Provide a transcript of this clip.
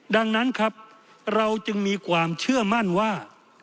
ดังนั้นครับเราจึงมีความเชื่อมั่นว่า